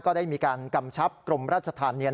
ก็ได้มีการกำชับกรมรัฐสถานเนียน